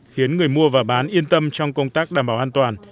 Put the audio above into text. khiến người mua và bán yên tâm trong công tác đảm bảo an toàn